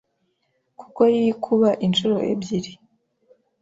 kuko yikuba inshuro ebyiri